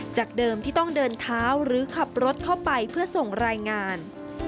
จากเดิมที่ต้องเดินเท้าหรือขับรถเข้าไปเพื่อส่งรายงาน